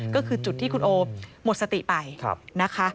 ก็คือจุดที่คุณโอหมดสติไปนะคะ